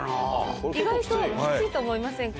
意外ときついと思いませんか？